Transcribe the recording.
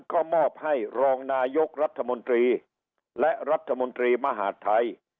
ก็มอบให้รองนายกรัฐมนตรีและรัฐมนตรีมหาดไทย